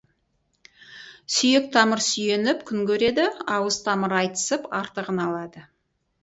Сүйек тамыр сүйеніп күн көреді, ауыз тамыр айтысып артығын алады.